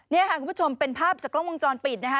นี่ค่ะคุณผู้ชมเป็นภาพจากกล้องวงจรปิดนะคะ